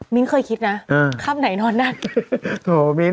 อ้อมิ้นเคยคิดนะครับไหนนอนน่ากิน